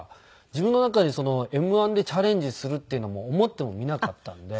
自分の中にＭ−１でチャレンジするっていうのも思ってもみなかったので。